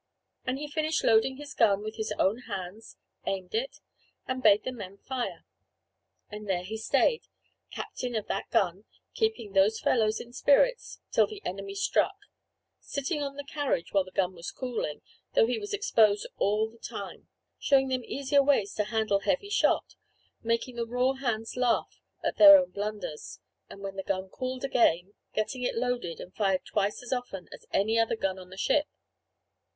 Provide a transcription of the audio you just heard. And he finished loading the gun with his own hands, aimed it, and bade the men fire. And there he stayed, captain of that gun, keeping those fellows in spirits, till the enemy struck sitting on the carriage while the gun was cooling, though he was exposed all the time showing them easier ways to handle heavy shot making the raw hands laugh at their own blunders and when the gun cooled again, getting it loaded and fired twice as often as any other gun on the ship.